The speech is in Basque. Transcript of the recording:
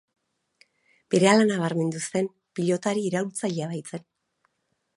Berehala nabarmendu zen, pilotari iraultzailea baitzen.